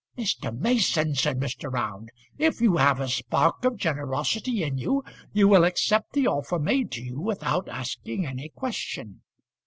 "Mr. Mason," said Mr. Round, "if you have a spark of generosity in you, you will accept the offer made to you without asking any question.